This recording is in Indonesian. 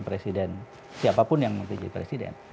presiden siapapun yang menjadi presiden